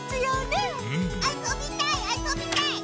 あそびたいあそびたい！